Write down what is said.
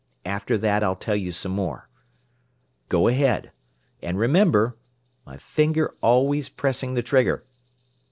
After that I'll tell you some more. "Go ahead! And remember my finger always pressing the trigger!"